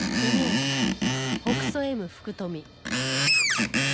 福富だ。